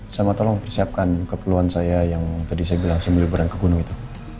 sama tolong persiapkan keperluan saya yang tadi saya bilang sebelum berang ke gunung itu